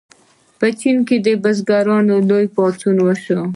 په چین کې د بزګرانو لوی پاڅون وشو.